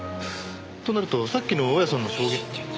となるとさっきの大家さんの証言。